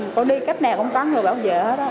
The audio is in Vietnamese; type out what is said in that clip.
cô đi cách nào cũng có người bẻ vợ hết